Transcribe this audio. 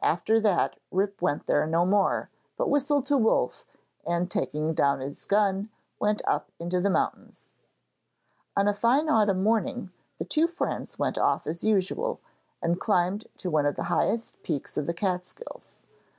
After that Rip went there no more, but whistled to Wolf, and, taking down his gun, went up into the mountains. On a fine autumn morning, the two friends went off as usual, and climbed to one of the highest peaks of the Catskills.